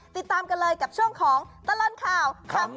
ติดตามกันเลยกับช่วงของตลอดข่าวขำ